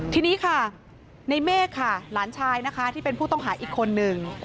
ทีนี้ค่ะในเมฆค่ะหลานชายนะคะที่เป็นผู้ต้องหาอีกคนนึง